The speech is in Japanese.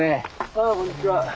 ああこんにちは。